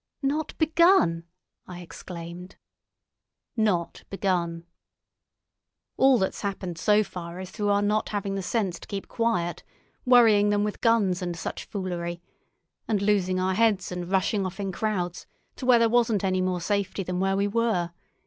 "Not begun!" I exclaimed. "Not begun. All that's happened so far is through our not having the sense to keep quiet—worrying them with guns and such foolery. And losing our heads, and rushing off in crowds to where there wasn't any more safety than where we were.